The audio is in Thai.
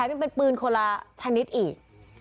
มันเป็นปืนคนละชนิดอีก